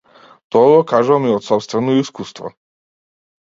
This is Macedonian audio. Тоа го кажувам и од сопствено искуство.